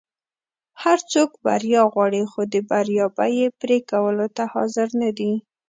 هر څوک بریا غواړي خو د بریا بیی پری کولو ته حاضر نه دي.